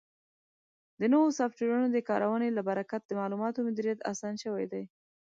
د نوو سافټویرونو د کارونې له برکت د معلوماتو مدیریت اسان شوی دی.